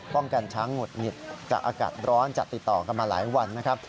ป้องกันช้างหงุดหงิดจากอากาศร้อนจัดติดต่อกันมาหลายวันนะครับ